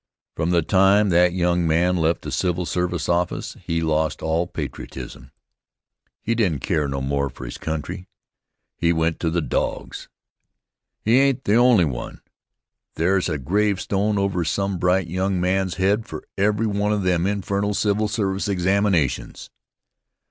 From the time that young man left the civil service office he lost all patriotism. He didn't care no more for his country. He went to the dogs. He ain't the only one. There's a gravestone over some bright young man's head for every one of them infernal civil service examinations.